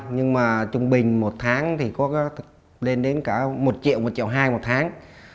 nhưng mà trung bình một tháng thì có lên đến cả một triệu một triệu hai một tháng